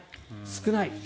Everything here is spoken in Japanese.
少ない。